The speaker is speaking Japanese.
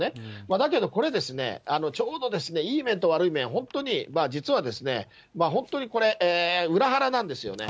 だけどこれですね、ちょうどいい面と悪い面、本当に実はですね、本当にこれ、裏腹なんですよね。